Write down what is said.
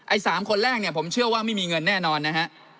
ไอ้๓คนแรกผมเชื่อว่าไม่มีเงินแน่นอนนะครับ